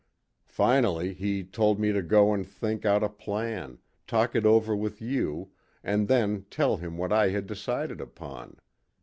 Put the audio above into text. Finally, he told me to go and think out a plan, talk it over with you, and then tell him what I had decided upon.